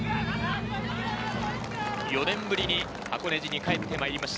４年ぶりに箱根路に帰ってまいりました